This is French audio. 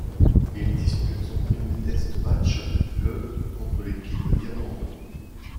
Il dispute son premier test match le contre l'équipe d'Irlande.